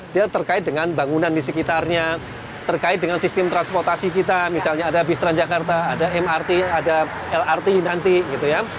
dia terkait dengan bangunan di sekitarnya terkait dengan sistem transportasi kita misalnya ada bistran jakarta ada mrt ada lrt nanti gitu ya